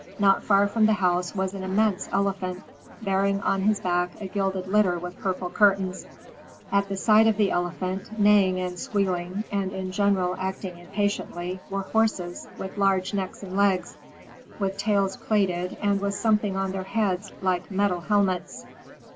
Not far from the house was an immense elephant, bearing on his back a gilded litter with purple curtains. At the side of the elephant, neighing and squealing, and, in general, acting impatiently, were horses with large necks and legs, with tails plaited, and with something on their heads like metal helmets.